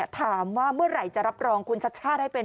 ถามว่าเมื่อไหร่จะรับรองคุณชัดชาติให้เป็น